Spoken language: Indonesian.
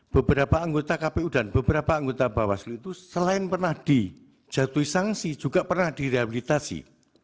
beberapa anggota kpu dan beberapa anggota bawaslu itu selain pernah dijatuhi sanksi juga pernah direhabilitasi